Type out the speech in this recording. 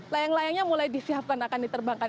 layang layangnya mulai disiapkan akan diterbangkan